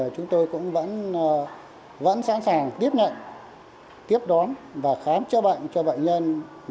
chúng tôi cũng vẫn sẵn sàng tiếp nhận tiếp đón và khám chữa bệnh cho bệnh nhân